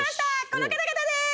この方々です！